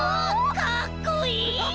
かっこいい！